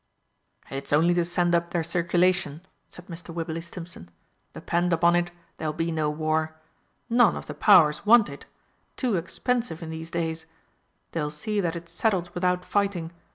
"It's only to send up their circulation," said Mr. Wibberley Stimpson. "Depend upon it, there'll be no War. None of the Powers want it too expensive in these days. They'll see that it's settled without fighting.